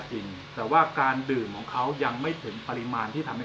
จริงแต่ว่าการดื่มของเขายังไม่ถึงปริมาณที่ทำให้